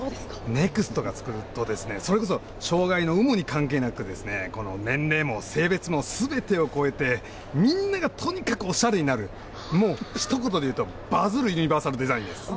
ネクストがつくと、それこそ、障害の有無に関係なく、年齢も性別もすべてを超えてみんながとにかくおしゃれになる、もうひと言で言うと、バズるもの。